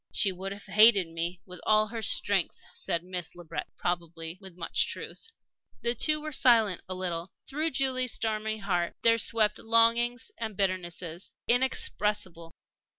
"She would have hated me with all her strength," said Miss Le Breton, probably with much truth. The two were silent a little. Through Julie's stormy heart there swept longings and bitternesses inexpressible.